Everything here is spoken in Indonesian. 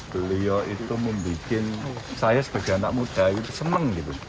beliau itu membuat saya sebagai anak muda itu seneng